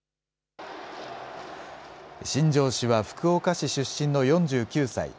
新庄氏は福岡市出身の４９歳。